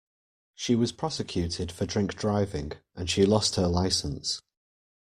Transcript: She was prosecuted for drink-driving, and she lost her licence